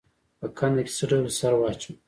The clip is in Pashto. په کنده کې څه ډول سره واچوم؟